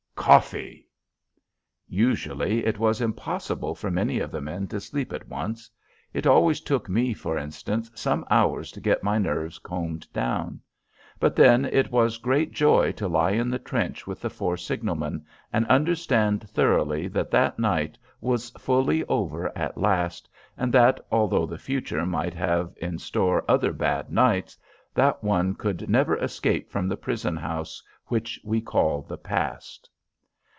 Coffee! Usually it was impossible for many of the men to sleep at once. It always took me, for instance, some hours to get my nerves combed down. But then it was great joy to lie in the trench with the four signalmen, and understand thoroughly that that night was fully over at last, and that, although the future might have in store other bad nights, that one could never escape from the prison house which we call the past.